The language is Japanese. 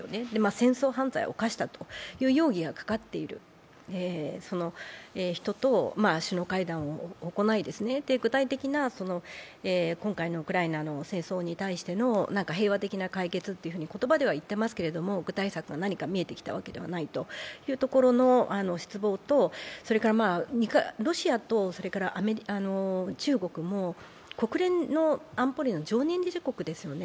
戦争犯罪を犯したという容疑がかかっている、その人と首脳会談を行い、具体的な今回のウクライナの戦争に対してのなんか平和的な解決って言葉では言ってますけれども具体策が何か見えてきたわけではないというところの失望とロシアと中国も、国連の安保理の常任理事国ですよね。